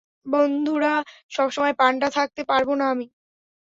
বন্ধুরা, সবসময় পান্ডা থাকতে পারব না আমি।